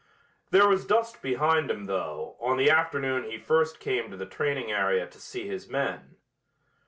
There was dust behind him, though, on the afternoon he first came to the training area to see his men.